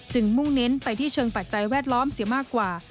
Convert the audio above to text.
มุ่งเน้นไปที่เชิงปัจจัยแวดล้อมเสียมากกว่า